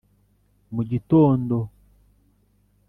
Mu gitondo,